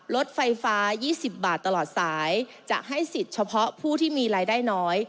รถไฟฟ้า๒๐บาทตลอดสายจะให้สิทธิ์เฉพาะผู้ที่มีรายได้น้อย